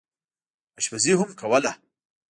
اشپزي هم کوله.